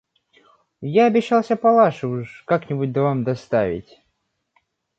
– Я обещался Палаше уж как-нибудь да вам доставить.